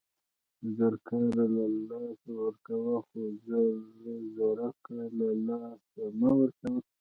زر کاره له لاسه ورکوه، خو زرکه له له لاسه مه ورکوه!